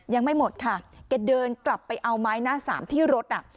ยังไม่หมดค่ะแกเดินกลับไปเอาไม้หน้าสามที่รถอ่ะ